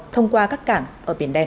thông qua các cảng ở biển đen